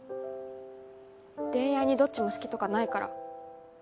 恋愛にどっちも好きとかないから。